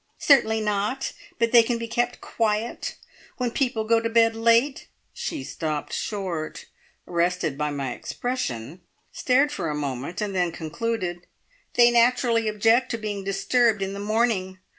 "Certainly not, but they can be kept quiet. When people go to bed late" she stopped short, arrested by my expression, stared for a moment, and then concluded "they naturally object to being disturbed in the morning.